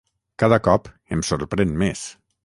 Cada cop em sorprèn més.